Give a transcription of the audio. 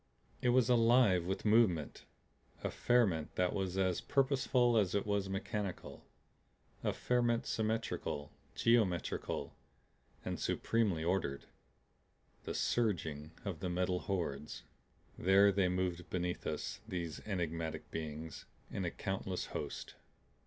It was alive with movement. A ferment that was as purposeful as it was mechanical, a ferment symmetrical, geometrical, supremely ordered The surging of the Metal Hordes. There they moved beneath us, these enigmatic beings, in a countless host.